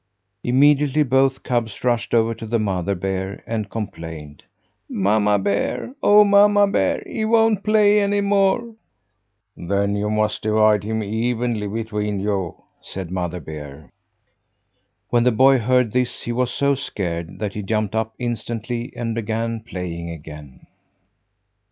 Immediately both cubs rushed over to the mother bear and complained: "Mamma Bear, oh, Mamma Bear, he won't play any more." "Then you must divide him evenly between you," said Mother Bear. When the boy heard this he was so scared that he jumped up instantly and began playing again.